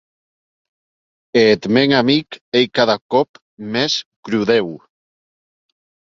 E eth mèn amic ei cada còp mès crudèu!